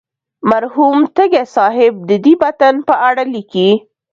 مرحوم تږی صاحب د دې متن په اړه لیکي.